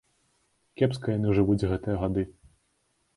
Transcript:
Кепска яны жывуць гэтыя гады.